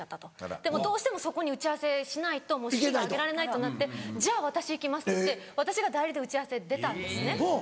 でもどうしてもそこに打ち合わせしないと式が挙げられないってなって「じゃあ私行きます」って私が代理で打ち合わせ出たんですね。